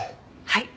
はい。